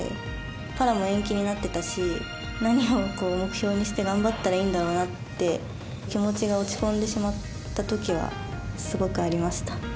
パラも延期になっていたし何を目標にして頑張ったらいいのかって気持ちが落ち込んでしまったときはすごくありました。